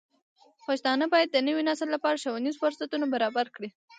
پښتانه بايد د نوي نسل لپاره ښوونیز فرصتونه برابر کړي.